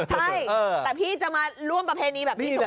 ใช่แต่พี่จะมาร่วมประเพณีแบบนี้ถูก